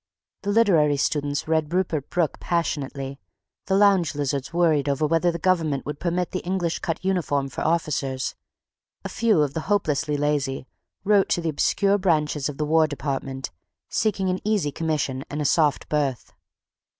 The literary students read Rupert Brooke passionately; the lounge lizards worried over whether the government would permit the English cut uniform for officers; a few of the hopelessly lazy wrote to the obscure branches of the War Department, seeking an easy commission and a soft berth.